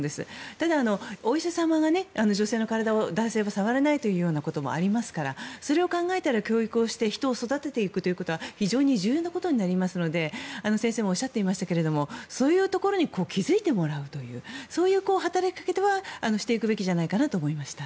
ただ、お医者様も女性の体を男性は触らないこともありますからそれを考えたら、教育をして人を育てていくということは非常に重要なことになりますので先生もおっしゃっていましたがそういうところに気づいてもらうそういう働きかけはしていくべきではないかと思いました。